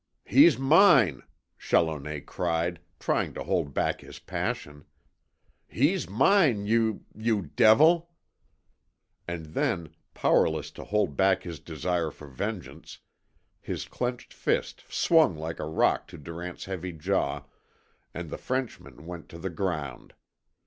"He's mine," Challoner cried, trying to hold back his passion. "He's mine you you devil!" And then, powerless to hold back his desire for vengeance, his clenched fist swung like a rock to Durant's heavy jaw, and the Frenchman went to the ground.